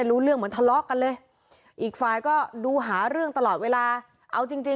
อืมอันนี้เขาเคยทำไว้